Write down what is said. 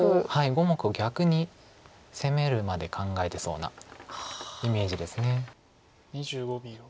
５目を逆に攻めるまで考えてそうなイメージです。